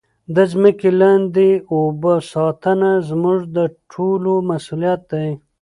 د مځکې لاندې اوبو ساتنه زموږ د ټولو مسؤلیت دی.